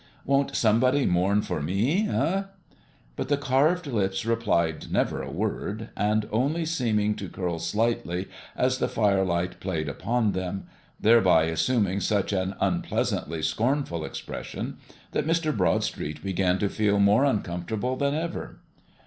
Won't somebody mourn for me, eh?" But the carved lips replied never a word, only seeming to curl slightly as the firelight played upon them, thereby assuming such an unpleasantly scornful expression that Mr. Broadstreet began to feel more uncomfortable than ever.